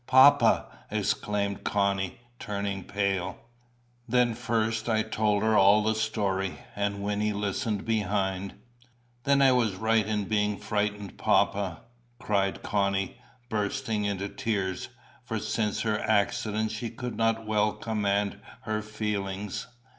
"Papa!" exclaimed Connie, turning pale. Then first I told her all the story. And Wynnie listened behind. "Then I was right in being frightened, papa!" cried Connie, bursting into tears; for since her accident she could not well command her feelings.